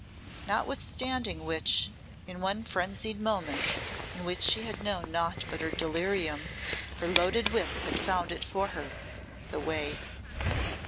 Notwithstanding which, in one frenzied moment in which she had known naught but her delirium, her loaded whip had found it for her the way!